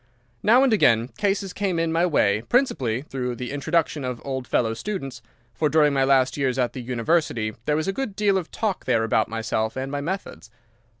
Now and again cases came in my way, principally through the introduction of old fellow students, for during my last years at the University there was a good deal of talk there about myself and my methods.